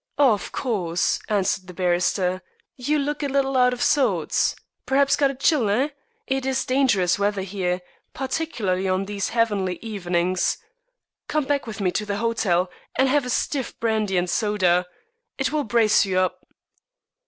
"Of course," answered the barrister. "You look a little out of sorts. Perhaps got a chill, eh? It is dangerous weather here, particularly on these heavenly evenings. Come back with me to the hotel, and have a stiff brandy and soda. It will brace you up."